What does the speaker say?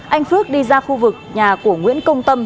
anh phước đi ra khu vực nhà của nguyễn công tâm